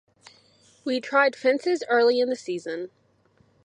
We tried fences early in the season.